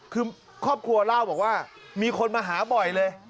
คือครอบครัวเล่าบอกว่ามีคนมาหาบ่อยเลย